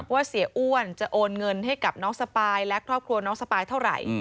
เสียอ้วนจะโอนเงินให้กับน้องสปายและครอบครัวน้องสปายเท่าไหร่